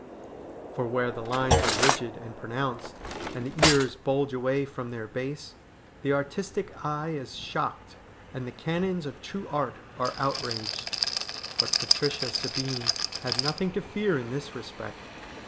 For where the lines are rigid and pronounced, and the ears bulge away from their base, the artistic eye is shocked and the canons of true art are outraged. But Patricia Sabine had nothing to fear in this respect.